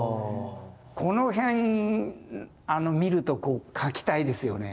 この辺見ると描きたいですよね。